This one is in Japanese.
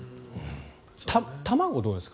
卵、どうですか？